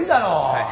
はい。